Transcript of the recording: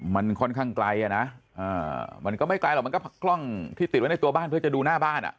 มันค่อนข้างไกลอ่ะนะมันก็ไม่ไกลหรอกมันก็กล้องที่ติดไว้ในตัวบ้านเพื่อจะดูหน้าบ้านอ่ะ